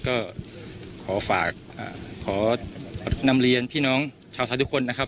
ก็ขอฝากขอนำเรียนพี่น้องชาวไทยทุกคนนะครับ